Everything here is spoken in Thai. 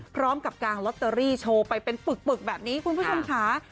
กลางลอตเตอรี่โชว์ไปเป็นปึกแบบนี้คุณผู้ชมค่ะ